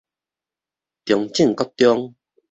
中正國中